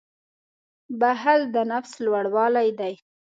• بښل د نفس لوړوالی دی.